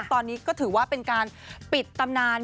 ตอนนี้ก็ถือว่าเป็นการปิดตำนาน